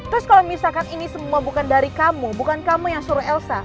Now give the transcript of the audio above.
terus kalau misalkan ini semua bukan dari kamu bukan kamu yang suruh elsa